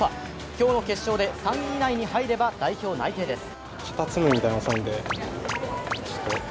今日の決勝で３位以内に入れば代表内定です。